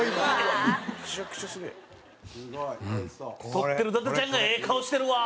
録ってる伊達ちゃんがええ顔してるわ。